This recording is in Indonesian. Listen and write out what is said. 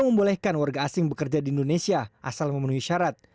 membolehkan warga asing bekerja di indonesia asal memenuhi syarat